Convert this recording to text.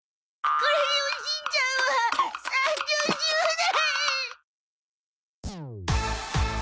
『クレヨンしんちゃん』は３０周年！